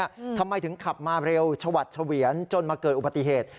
ทำไมถึงขับมาเร็วชวัดเฉวียนจนมาเกิดอุบัติเหตุ